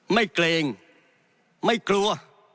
ไม่เกรงไม่กลัว